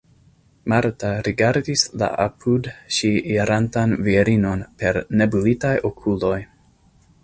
Marta rigardis la apud ŝi irantan virinon per nebulitaj okuloj.